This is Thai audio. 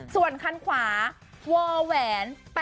ส่วนขั้นขวาวแหวน๘๑๑๓